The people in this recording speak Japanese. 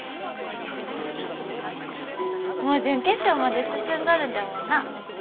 もう準決勝まで進んどるんじゃもんなあ。